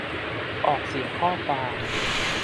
ออกเสียงข้อความ